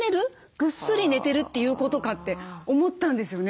ぐっすり寝てるということかって思ったんですよね。